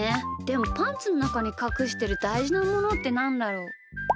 でもパンツのなかにかくしてるだいじなものってなんだろう？